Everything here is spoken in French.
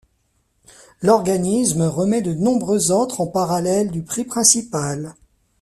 L'organisme remet de nombreux autres en parallèle du prix principal.